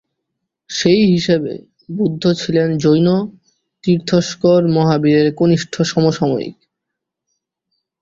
সেই হিসেবে বুদ্ধ ছিলেন জৈন তীর্থঙ্কর মহাবীরের কনিষ্ঠ সমসাময়িক।